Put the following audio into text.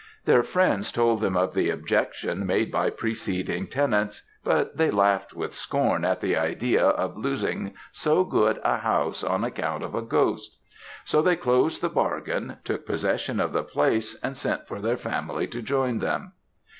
Their friends told them of the objection made by preceding tenants, but they laughed with scorn at the idea of losing so good a house on account of a ghost; so they closed the bargain, took possession of the place, and sent for their family to join them.